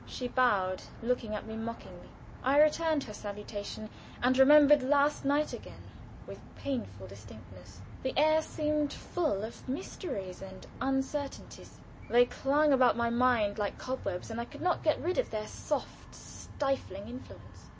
She bowed, looking at me mockingly. I returned her salutation, and remembered last night again with painful distinctness. The air seemed full of mysteries and uncertainties; they clung about my mind like cobwebs, and I could not get rid of their soft, stifling influence.